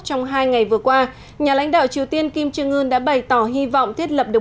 trong hai ngày vừa qua nhà lãnh đạo triều tiên kim trương ương đã bày tỏ hy vọng thiết lập được